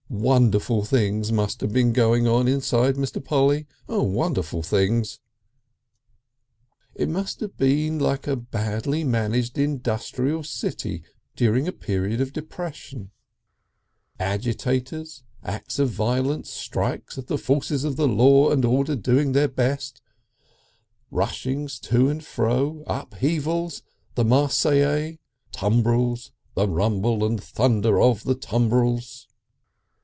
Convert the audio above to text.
Wonderful things must have been going on inside Mr. Polly. Oh! wonderful things. It must have been like a badly managed industrial city during a period of depression; agitators, acts of violence, strikes, the forces of law and order doing their best, rushings to and fro, upheavals, the Marseillaise, tumbrils, the rumble and the thunder of the tumbrils....